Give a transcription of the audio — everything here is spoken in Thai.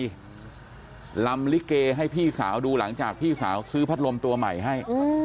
ลำลิเกให้พี่สาวดูหลังจากพี่สาวซื้อพัดลมตัวใหม่ให้